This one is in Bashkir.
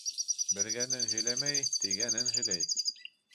Белгәнен һөйләмәй, тейгәнен һөйләй.